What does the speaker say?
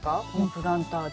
プランターで。